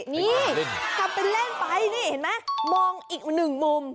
นี่ทำเป็นเล่นไปนี่เห็นไหมมองอีกหนึ่งมุม